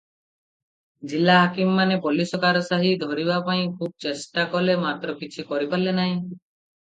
ଜିଲା ହାକିମମାନେ ପୋଲିଶ କାରସାଦି ଧରିବାପାଇଁ ଖୁବ ଚେଷ୍ଟା କଲେ; ମାତ୍ର କିଛି କରି ପାରିଲେ ନାହିଁ ।